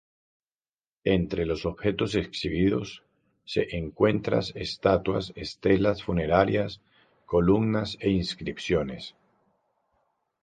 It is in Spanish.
Entre los objetos exhibidos se encuentras estatuas, estelas funerarias, columnas e inscripciones.